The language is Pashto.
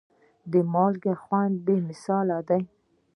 د مالګې خوند بې مثاله دی.